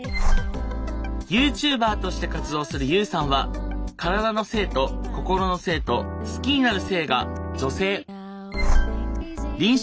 ＹｏｕＴｕｂｅｒとして活動するＵさんは体の性と心の性と好きになる性が女性。